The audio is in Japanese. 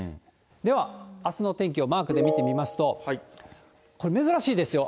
では、あすの天気をマークで見てみますと、これ、珍しいですよ。